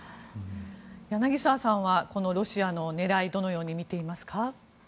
柳澤さんはこのロシアの狙いどのように見ていますか？